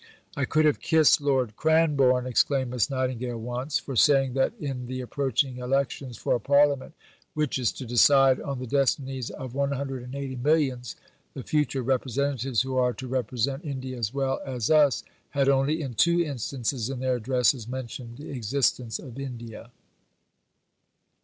"I could have kissed Lord Cranborne," exclaimed Miss Nightingale once, "for saying that in the approaching elections for a Parliament which is to decide on the destinies of 180 millions, the future representatives who are to represent India as well as us had only in two instances in their addresses mentioned the existence of India."